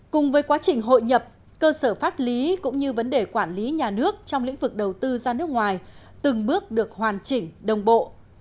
cùng với quá trình hội nhập cơ sở pháp lý cũng như vấn đề quản lý nhà nước trong lĩnh vực đầu tư ra nước ngoài từng bước được hoàn chỉnh đồng bộ